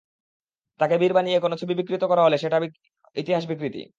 তাঁকে বীর বানিয়ে কোনো ছবি করা হলে সেটা হবে ইতিহাস বিকৃতি।